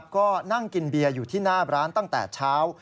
ก็นั่งกินเบียร์อยู่ที่หน้าร้านตั้งแต่เช้า